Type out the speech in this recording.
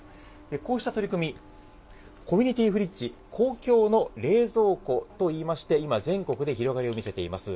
こうした取り組み、コミュニティフリッジ、公共の冷蔵庫といいまして、今、全国で広がりを見せています。